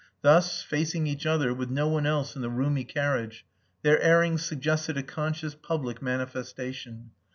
Thus, facing each other, with no one else in the roomy carriage, their airings suggested a conscious public manifestation.